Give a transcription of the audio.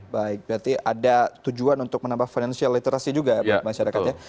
baik berarti ada tujuan untuk menambah financial literacy juga ya masyarakat ya